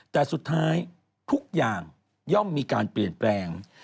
แต่สุดท้ายทุกอย่างย่อมมีการเปลี่ยนแปลง